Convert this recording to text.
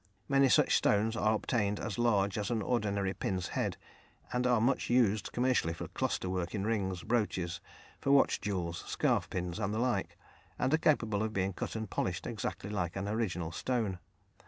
Many such stones are obtained as large as an ordinary pin's head, and are much used commercially for cluster work in rings, brooches, for watch jewels, scarf pins, and the like, and are capable of being cut and polished exactly like an original stone.